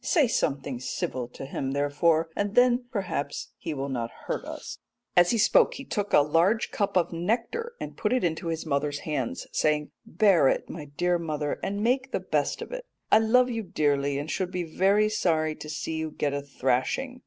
Say something civil to him, therefore, and then perhaps he will not hurt us.' "As he spoke he took a large cup of nectar and put it into his mother's hands, saying, 'Bear it, my dear mother, and make the best of it. I love you dearly and should be very sorry to see you get a thrashing.